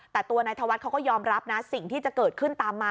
แต่ตัวนายธวัฒน์เขาก็ยอมรับนะสิ่งที่จะเกิดขึ้นตามมา